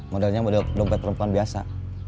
modelnya model dompet perempuan biasa